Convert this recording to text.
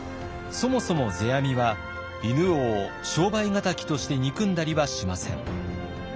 そもそも世阿弥は犬王を商売敵として憎んだりはしません。